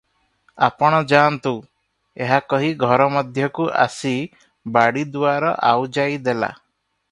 ଆପଣ ଯାଆନ୍ତୁ" ଏହା କହି ଘର ମଧ୍ୟକୁ ଆସି ବାଡ଼ି ଦୁଆର ଆଉଜାଇ ଦେଲା ।